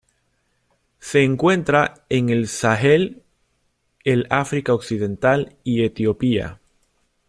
Se encuentra en el Sahel, el África Occidental y Etiopía.